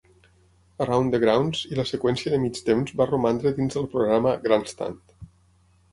"Around the Grounds" i la seqüència de mig temps va romandre dins del programa "Grandstand".